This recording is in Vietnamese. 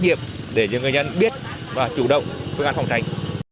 để những người dân biết và chủ động phương án phòng tránh